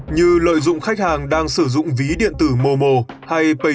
như lợi dụng khách hàng đang sử dụng ví điện tử momo hay pay